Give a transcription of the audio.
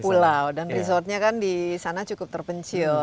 pulau dan resortnya kan di sana cukup terpencil